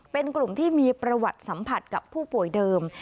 เป็นกลุ่มที่มีประวัติสัมผัสกับผู้ป่วยเดิม